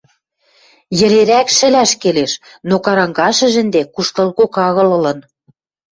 Йӹлерӓк шӹлӓш келеш, но карангашыжы ӹнде куштылгок агыл ылын.